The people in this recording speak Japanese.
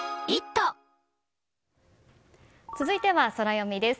続いてはソラよみです。